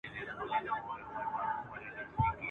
ممکن هغوی به په لوبو مصروف سي.